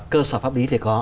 cơ sở pháp lý thì có